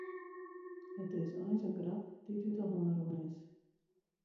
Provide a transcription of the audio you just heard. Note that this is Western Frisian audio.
It is eins in grap dy't út de hân rûn is.